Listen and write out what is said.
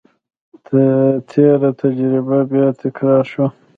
تېره تجربه بیا تکرار شوه.